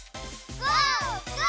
ゴー！